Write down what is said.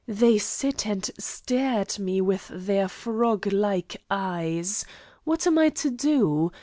They sit and stare at me with their froglike eyes. What am I to do?